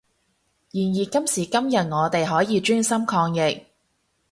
然而今時今日我哋可以專心抗疫